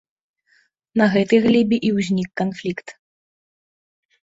На гэтай глебе і ўзнік канфлікт.